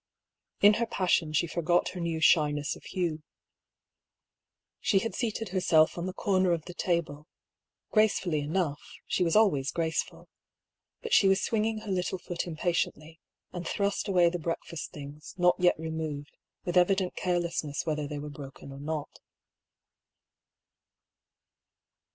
In her passion she forgot her new shyness of Hugh. She had seated herself on the comer of the table — gracefully enough, she was always graceful — ^but she was swinging her little foot impatiently, and thrust away the breakfast things, not yet removed, with evi dent carelessness whether they were broken or not.